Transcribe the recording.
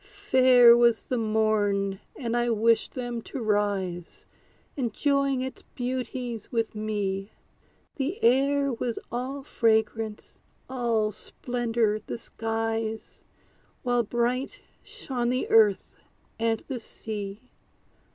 Fair was the morn, and I wished them to rise, Enjoying its beauties with me. The air was all fragrance all splendor the skies, While bright shone the earth and the sea.